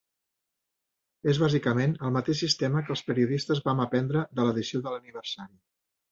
És bàsicament el mateix sistema que els periodistes vam aprendre de l'edició de l'aniversari.